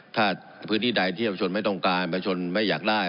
ถ้าพื้นที่ใดที่ประชนไม่ต้องการประชนไม่อยากได้